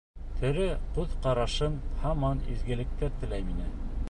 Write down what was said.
Тере күҙ ҡарашың һаман изгелектәр теләй миңә.